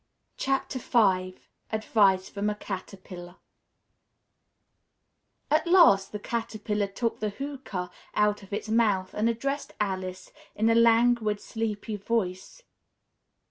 V ADVICE FROM A CATERPILLAR At last the Caterpillar took the hookah out of its mouth and addressed Alice in a languid, sleepy voice.